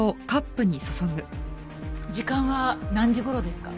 時間は何時頃ですか？